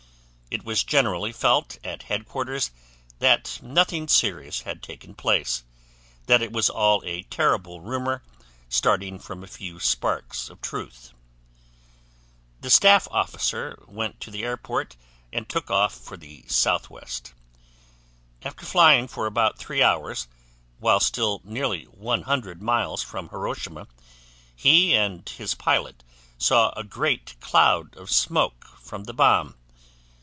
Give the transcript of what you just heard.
It was generally felt at Headquarters that nothing serious had taken place, that it was all a terrible rumor starting from a few sparks of truth. The staff officer went to the airport and took off for the southwest. After flying for about three hours, while still nearly 100 miles from Hiroshima, he and his pilot saw a great cloud of smoke from the bomb.